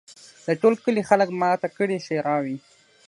د ټول کلي خلک ماته کړي ښراوي